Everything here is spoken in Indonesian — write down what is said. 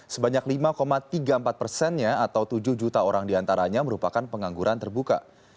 sebanyak lima tiga puluh empat persennya atau tujuh juta orang diantaranya merupakan pengangguran terbuka